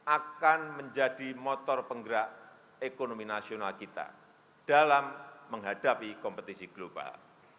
akan menjadi motor penggerak ekonomi nasional kita dalam menghadapi kompetisi global